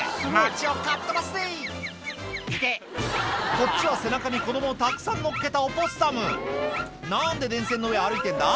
こっちは背中に子供をたくさん乗っけたオポッサム何で電線の上歩いてんだ？